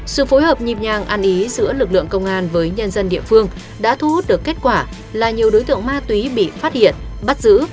sự phối hợp nhịp nhàng ăn ý giữa lực lượng công an với nhân dân địa phương đã thu hút được kết quả là nhiều đối tượng ma túy bị phát hiện bắt giữ